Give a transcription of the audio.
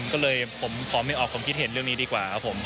ก็เลยผมขอไม่ออกความคิดเห็นเรื่องนี้ดีกว่าครับผม